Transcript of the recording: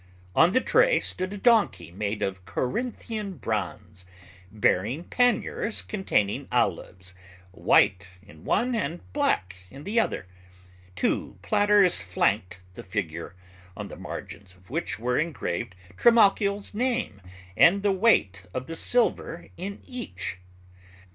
On the tray stood a donkey made of Corinthian bronze, bearing panniers containing olives, white in one and black in the other. Two platters flanked the figure, on the margins of which were engraved Trimalchio's name and the weight of the silver in each.